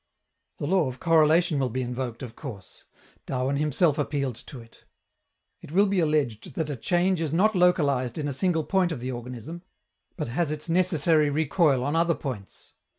The law of correlation will be invoked, of course; Darwin himself appealed to it. It will be alleged that a change is not localized in a single point of the organism, but has its necessary recoil on other points.